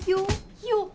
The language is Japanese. よっ。